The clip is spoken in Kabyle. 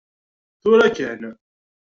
Tura kan!